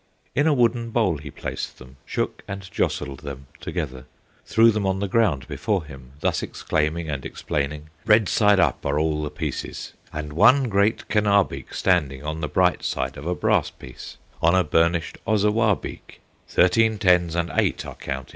In a wooden bowl he placed them, Shook and jostled them together, Threw them on the ground before him, Thus exclaiming and explaining: "Red side up are all the pieces, And one great Kenabeek standing On the bright side of a brass piece, On a burnished Ozawabeek; Thirteen tens and eight are counted."